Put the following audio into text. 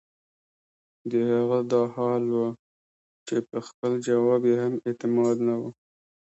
د هغه دا حال وۀ چې پۀ خپل جواب ئې هم اعتماد نۀ وۀ